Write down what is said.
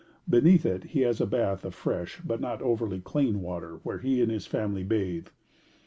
Beneath it he has a bath of fresh but not over clean water, where he and his family bathe.